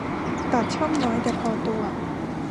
ตัดช่องน้อยแต่พอตัว